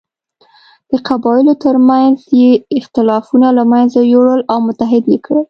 د قبایلو تر منځ یې اختلافونه له منځه یووړل او متحد یې کړل.